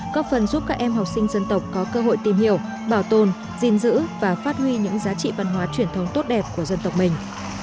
có phần giúp các em học sinh dân tộc có cơ hội tìm hiểu bảo tồn gìn giữ và phát huy những giá trị văn hóa truyền thống tốt đẹp của dân tộc mình